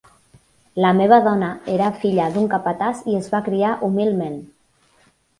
La meva dona era filla d'un capatàs i es va criar humilment.